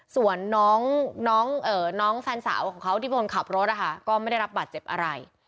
ส่วนน้องแฟนสาวของเขาที่เป็นคนขับรถนะคะก็ไม่ได้รับบาดเจ็บอะไร